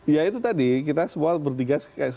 ya itu tadi kita semua bertiga